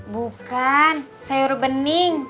bukan sayur bening